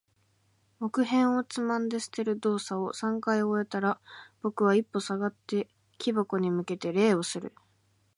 木片をつまんで捨てる動作を三回終えたら、僕は一歩下がって、木箱に向けて礼をする。